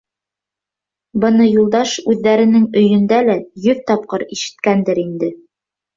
Быны Юлдаш үҙҙәренең өйөндә лә йөҙ тапҡыр ишеткәндер инде.